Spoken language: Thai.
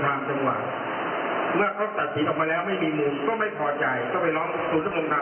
ก็ยังไม่รู้ว่ามันจะยังไม่รู้ว่า